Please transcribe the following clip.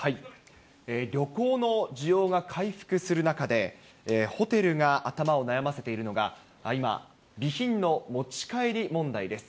旅行の需要が回復する中で、ホテルが頭を悩ませているのが、今、備品の持ち帰り問題です。